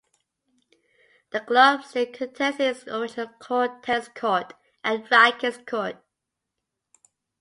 The club still contains its original court tennis court and racquets court.